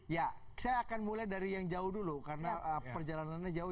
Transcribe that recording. ya saya akan mulai dari yang jauh dulu karena perjalanannya jauh